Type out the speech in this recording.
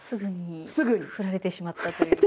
すぐに振られてしまったという。